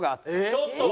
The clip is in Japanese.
ちょっと！